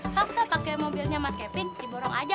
suka pakai mobilnya mas kevin diborong aja